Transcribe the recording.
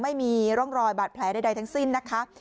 ไม่มีร่องรอยบาดแผลใดทั้งสิ้นนะคะ